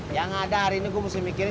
yang ada hari ini gue mesti mikirin